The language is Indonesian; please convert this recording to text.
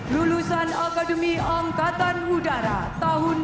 lulusan akademi angkatan udara tahun dua ribu